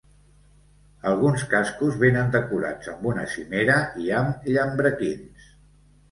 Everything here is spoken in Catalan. Alguns cascos vénen decorats amb una cimera i amb llambrequins.